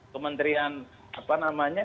kementerian apa namanya